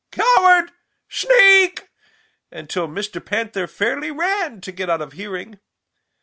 Coward! Sneak!' until Mr. Panther fairly ran to get out of hearing.